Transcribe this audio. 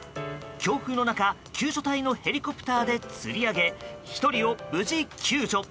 強風の中救助隊のヘリコプターでつり上げ１人を無事救助。